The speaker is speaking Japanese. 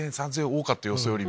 多かった予想より！